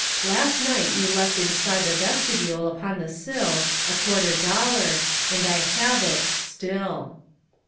Last night you left inside the vestibule upon the sill A quarter dollar, And I have it Still.